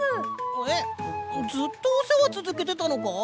えっずっとおせわつづけてたのか？